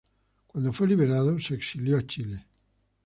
Cuando fue liberado se exilió a Chile.